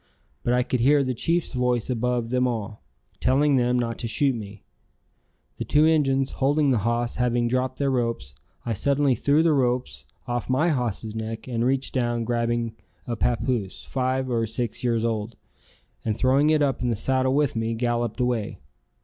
But I could hear the chief's voice above them all, telling them not to shoot me. The two Injuns holding the hoss having dropped their ropes, I suddenly threw the ropes off my hoss's neck and reaching down grabbed a papoose, five or six years old, and throwing it up in the saddle with me, galloped away.